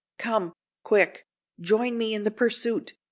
"Come—quick—join me in the pursuit!"